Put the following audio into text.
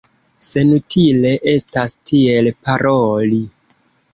Senutile estas tiel paroli.